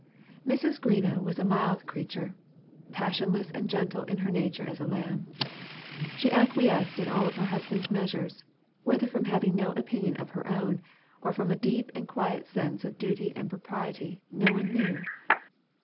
Mrs. Greenough was a mild creature, passionless and gentle in her nature as a lamb. She acquiesced in all of her husband's measures, whether from having no opinions of her own, or from a deep and quiet sense of duty and propriety, no one knew.